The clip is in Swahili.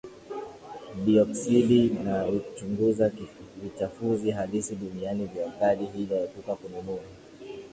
dioksidi na chunguza vichafuzi halisi duniani vya gari hilo Epuka kununua